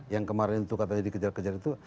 yang kemarin itu katanya dikejar kejar itu